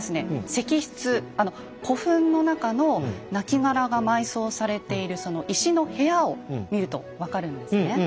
石室古墳の中のなきがらが埋葬されているその石の部屋を見ると分かるんですね。